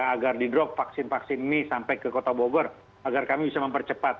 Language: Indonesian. agar di drop vaksin vaksin ini sampai ke kota bogor agar kami bisa mempercepat